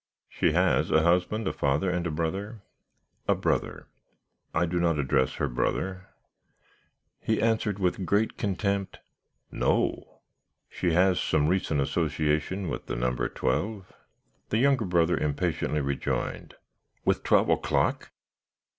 "'She has a husband, a father, and a brother?' "'A brother.' "'I do not address her brother?' "He answered with great contempt, 'No.' "'She has some recent association with the number twelve?' "The younger brother impatiently rejoined, 'With twelve o'clock?'